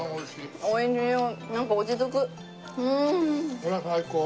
これ最高。